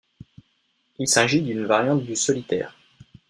Il s'agit d'une variante du solitaire.